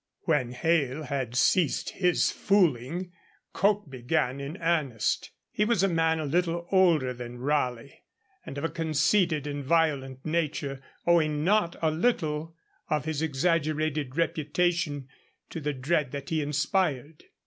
When Hale had ceased his fooling, Coke began in earnest. He was a man a little older than Raleigh, and of a conceited and violent nature, owing not a little of his exaggerated reputation to the dread that he inspired.